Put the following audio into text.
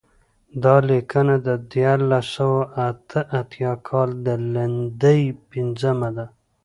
دا لیکنه د دیارلس سوه اته اتیا کال د لیندۍ پنځمه ده.